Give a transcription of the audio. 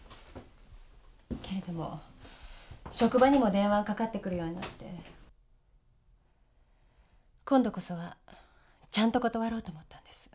けれども職場にも電話がかかってくるようになって今度こそはちゃんと断ろうと思ったんです。